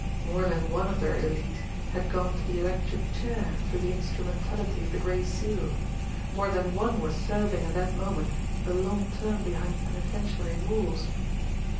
More than one of their élite had gone to the electric chair through the instrumentality of the Gray Seal; more than one was serving at that moment a long term behind penitentiary walls.